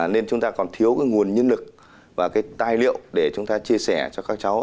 nên chúng ta còn thiếu nguồn nhân lực và tài liệu để chia sẻ cho các cháu